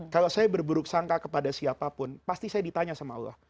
kalau saya berburuk sangka kepada siapapun pasti saya ditanya sama allah